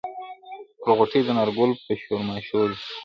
پر غوټۍ د انارګل به شورماشور وي.